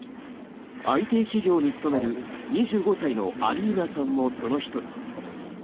ＩＴ企業に勤める２５歳のアリーナさんもその１人。